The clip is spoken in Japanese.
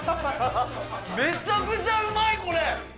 めちゃくちゃうまい、これ。